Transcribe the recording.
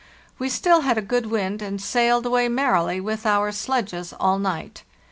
We still had a good wind, and sailed away merrily with our sledges all night.